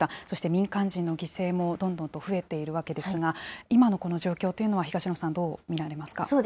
そして民間人の犠牲もどんどんと増えているわけですが、今のこの状況というのは、東野さん、どう見られますか？